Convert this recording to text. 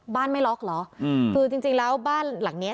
ไม่ล็อกเหรออืมคือจริงจริงแล้วบ้านหลังเนี้ย